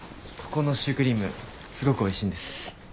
ここのシュークリームすごくおいしいんです。